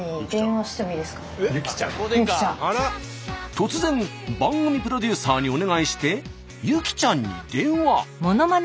突然番組プロデューサーにお願いしてユキちゃんに電話。